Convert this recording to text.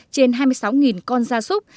trên hai mươi sáu con da súc